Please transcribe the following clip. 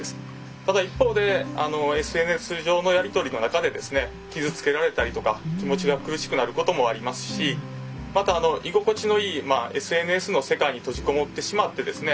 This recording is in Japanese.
ただ一方でＳＮＳ上のやり取りの中でですね傷つけられたりとか気持ちが苦しくなることもありますしまた居心地のいいＳＮＳの世界に閉じ籠もってしまってですね